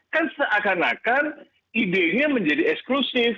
kan seakan akan idenya menjadi eksklusif